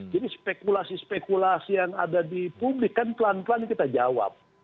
jadi spekulasi spekulasi yang ada di publik kan pelan pelan kita jawab